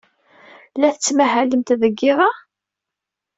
La tettmahalemt deg yiḍ-a?